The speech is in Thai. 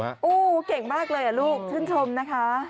โอ้โหเก่งมากเลยอ่ะลูกชื่นชมนะคะ